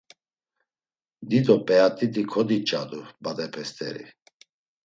Dido p̌eat̆iti kodiç̌adu badepe st̆eri.